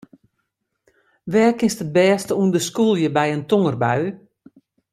Wêr kinst it bêste ûnder skûlje by in tongerbui?